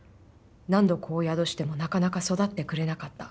何度子を宿しても、なかなか育ってくれなかった。